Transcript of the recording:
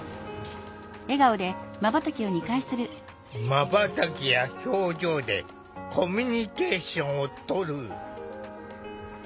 まばたきや表情でコミュニケーションをとる。